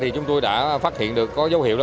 chúng tôi đã phát hiện được có dấu hiệu